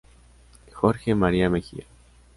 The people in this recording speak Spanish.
Jorge María Mejía.